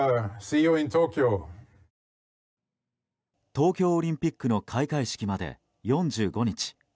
東京オリンピックの開会式まで４５日。